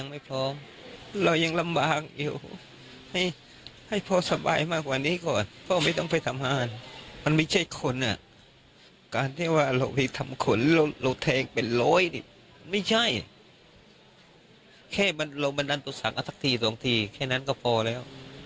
ไม่ใช่แค่มันเราบันดันตัวสั่งกันสักทีสองทีแค่นั้นก็พอแล้ว